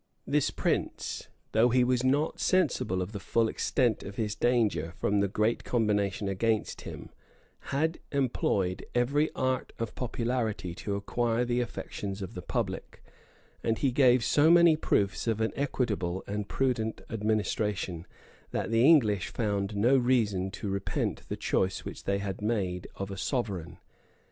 This prince, though he was not sensible of the full extent of his danger, from the great combination against him, had employed every art of popularity to acquire the affections of the public; and he gave so many proofs of an equitable and prudent administration, that the English found no reason to repent the choice which they had made of a sovereign.